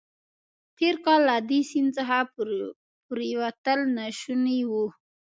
تېر کال له دې سیند څخه پورېوتل ناشوني وو.